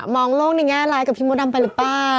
องโลกในแง่ร้ายกับพี่มดดำไปหรือเปล่า